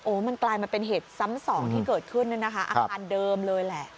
มันกลายมาเป็นเหตุซ้ำสองที่เกิดขึ้นเนี่ยนะคะอาคารเดิมเลยแหละ